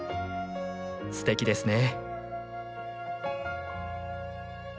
すてきですね。